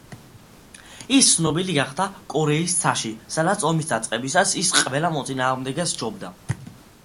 ის ცნობილი გახდა კორეის ცაში, სადაც ომის დაწყებისას ის ყველა მოწინააღმდეგეს ჯობდა.